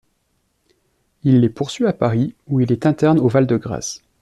Il les poursuit à Paris où il est interne au Val-de-Grâce.